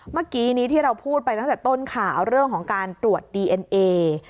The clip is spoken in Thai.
เมื่อกี้นี้ที่เราพูดไปตั้งแต่ต้นข่าวเรื่องของการตรวจดีเอ็นเอ